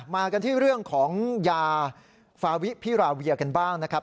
มากันที่เรื่องของยาฟาวิพิราเวียกันบ้างนะครับ